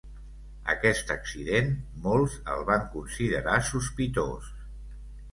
Aquest accident, molts el van considerar sospitós.